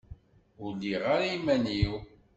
Ur lliɣ ara iman-iw.